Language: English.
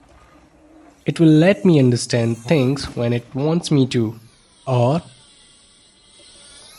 it will let me understand things when it wants me to, or